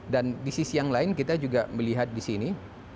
dan di sisi yang lain kita juga melihat di sini